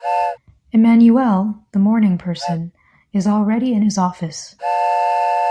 Emmanuelle, the morning person, is already in his office.